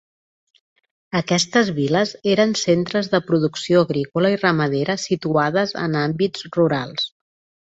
Aquestes vil·les eren centres de producció agrícola i ramadera situades en àmbits rurals.